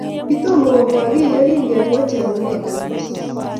Kitomo komwakiy yekingengwech eng mornet kosis